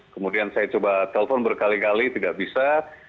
kemudian saya coba telepon berkali kali tidak bisa